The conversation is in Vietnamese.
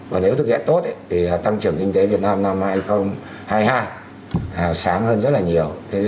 và nếu thực hiện tốt thì tăng trưởng kinh tế việt nam năm hai nghìn hai mươi hai sáng hơn rất là nhiều